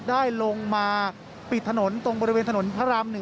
ได้ลงมาปิดถนนตรงบริเวณถนนพระราม๑เป็นที่เรียบร้อยแล้วนะครับ